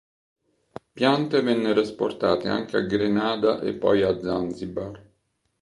Piante vennero esportate anche a Grenada e poi a Zanzibar.